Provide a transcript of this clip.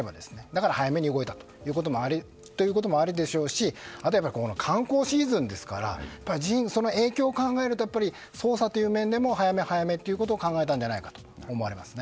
なので早めに動いたということもあるでしょうしあとは観光シーズンですからその影響を考えると捜査という面でも早め、早めということを考えたんじゃないかと思われます。